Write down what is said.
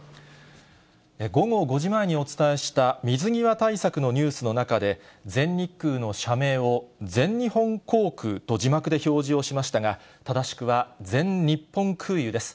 午後５時前にお伝えした水際対策のニュースの中で、全日空の社名を全日本航空と字幕で表示をしましたが、正しくは全日本空輸です。